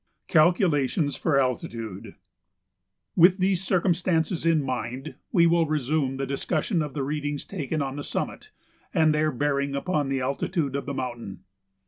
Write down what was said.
[Sidenote: Calculations for Altitude] With these circumstances in mind we will resume the discussion of the readings taken on the summit and their bearing upon the altitude of the mountain.